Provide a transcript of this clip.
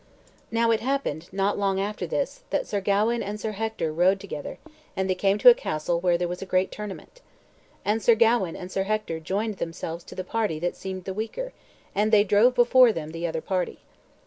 Now it happened, not long after this, that Sir Gawain and Sir Hector rode together, and they came to a castle where was a great tournament. And Sir Gawain and Sir Hector joined themselves to the party that seemed the weaker, and they drove before them the other party.